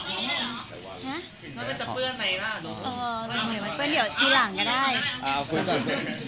เอาคุณก่อน